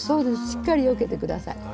しっかりよけて下さい。